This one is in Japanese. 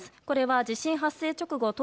これは地震発生直後